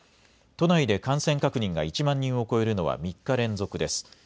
都内で感染確認が１万人を超えるのは３日連続です。